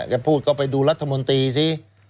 จะพูดก็ไปดูรัฐมนตรีสิ